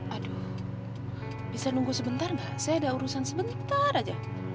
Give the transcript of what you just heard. aduh bisa nunggu sebentar gak saya ada urusan sebentar aja